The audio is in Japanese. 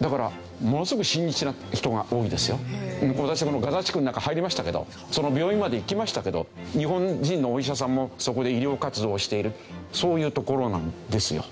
だからものすごく私このガザ地区の中入りましたけどその病院まで行きましたけど日本人のお医者さんもそこで医療活動をしているそういう所なんですよ。